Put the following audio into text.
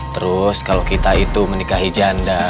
terus kalau kita itu menikahi janda